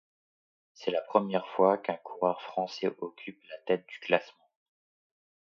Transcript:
C'est la première fois qu'un coureur français occupe la tête du classement.